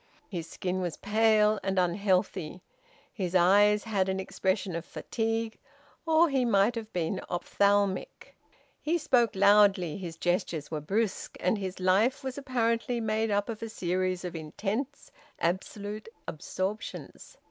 His skin was pale and unhealthy. His eyes had an expression of fatigue, or he might have been ophthalmic. He spoke loudly, his gestures were brusque, and his life was apparently made up of a series of intense, absolute absorptions.